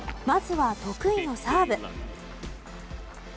まずは得意のサーブ。